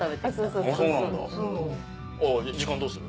あ時間どうする？